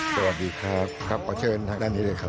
สวัสดีค่ะขอเชิญทางด้านนี้เลยค่ะ